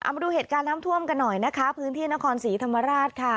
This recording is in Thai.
มาดูเหตุการณ์น้ำท่วมกันหน่อยนะคะพื้นที่นครศรีธรรมราชค่ะ